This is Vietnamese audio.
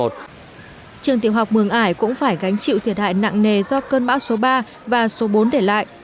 trường tiểu học mường ải cũng phải gánh chịu thiệt hại nặng nề do cơn bão số ba và số bốn để lại